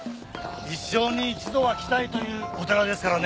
一生に一度は来たいというお寺ですからね。